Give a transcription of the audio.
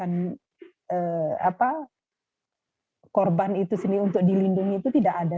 korban itu sendiri untuk dilindungi itu tidak ada